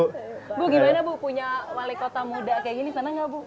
iya ibu gimana ibu punya wali kota muda kayak gini senang gak ibu